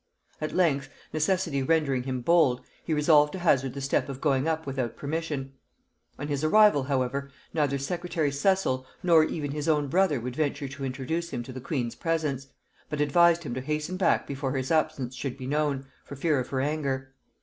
At length, necessity rendering him bold, he resolved to hazard the step of going up without permission. On his arrival, however, neither secretary Cecil nor even his own brother would venture to introduce him to the queen's presence, but advised him to hasten back before his absence should be known, for fear of her anger.